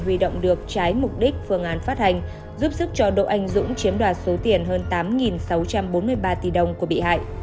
huy động được trái mục đích phương án phát hành giúp sức cho đỗ anh dũng chiếm đoạt số tiền hơn tám sáu trăm bốn mươi ba tỷ đồng của bị hại